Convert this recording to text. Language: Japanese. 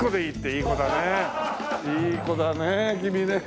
いい子だね君ね。